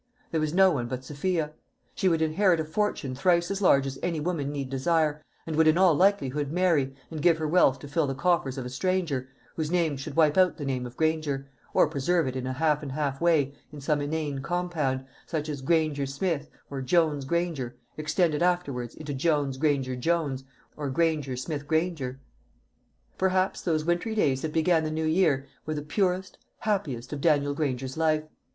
There was no one but Sophia. She would inherit a fortune thrice as large as any woman need desire, and would in all likelihood marry, and give her wealth to fill the coffers of a stranger, whose name should wipe out the name of Granger or preserve it in a half and half way in some inane compound, such, as Granger Smith, or Jones Granger, extended afterwards into Jones Granger Jones, or Granger Smith Granger. Perhaps those wintry days that began the new year were the purest, happiest of Daniel Granger's life.